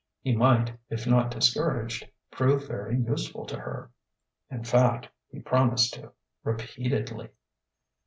He might, if not discouraged, prove very useful to her. In fact, he promised to repeatedly.